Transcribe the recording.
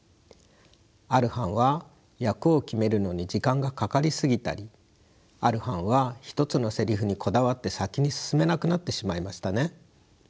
ある班は役を決めるのに時間がかかり過ぎたりある班は１つのせりふにこだわって先に進めなくなってしまいましたね。